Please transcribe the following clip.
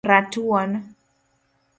ratuon